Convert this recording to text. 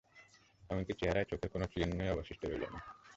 এমনকি চেহারায় চোখের কোন চিহ্নই অবশিষ্ট রইলো না।